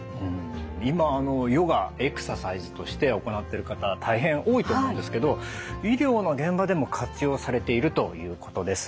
今あのヨガエクササイズとして行ってる方大変多いと思うんですけど医療の現場でも活用されているということです。